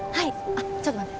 あっちょっと待ってて。